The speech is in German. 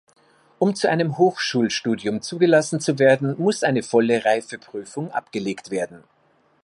Um zu einem Hochschulstudium zugelassen zu werden, muss eine volle Reifeprüfung abgelegt werden.